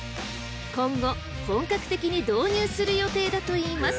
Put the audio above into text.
今後本格的に導入する予定だといいます。